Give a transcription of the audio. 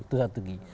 itu satu segi